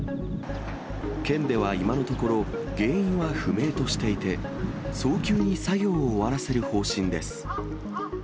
県では今のところ、原因は不明としていて、早急に作業を終わらせる方針です。